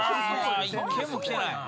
１件も来てない？